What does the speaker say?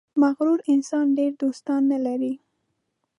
• مغرور انسان ډېر دوستان نه لري.